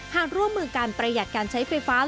ร่วมมือการประหยัดการใช้ไฟฟ้า